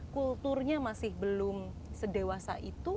kulturnya masih belum sedewasa itu